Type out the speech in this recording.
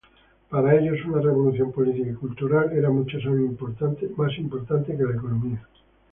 Para ellos, una revolución política y cultural era mucho más importante que la económica.